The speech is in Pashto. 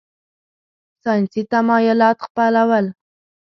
ساینسي تمایلات خپلول.